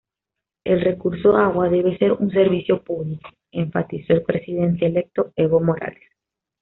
El recurso agua debe ser un servicio público", enfatizó el Presidente electo Evo Morales.